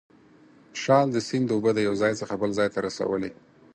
شال د سیند اوبه د یو ځای څخه بل ځای ته رسولې.